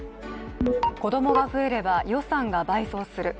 子供が増えれば予算が倍増する。